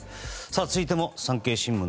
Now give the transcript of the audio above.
続いても産経新聞。